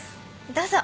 どうぞ。